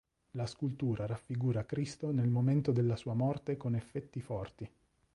La scultura raffigura Cristo nel momento della sua morte con "effetti forti".